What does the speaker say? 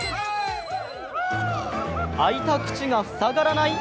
開いた口が塞がらない。